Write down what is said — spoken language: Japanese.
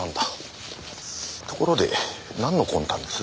ところでなんの魂胆です？